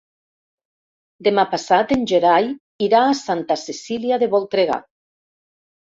Demà passat en Gerai irà a Santa Cecília de Voltregà.